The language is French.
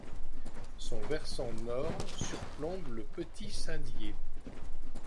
Son versant nord surplombe le petit-Saint-Dié.